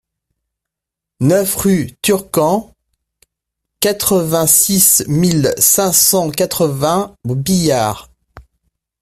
neuf rue Turquand, quatre-vingt-six mille cinq cent quatre-vingts Biard